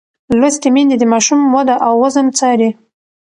لوستې میندې د ماشوم وده او وزن څاري.